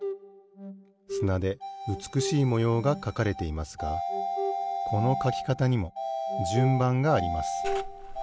すなでうつくしいもようがかかれていますがこのかきかたにもじゅんばんがあります。